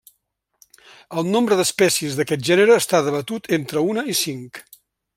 El nombre d'espècies d'aquest gènere està debatut entre una i cinc.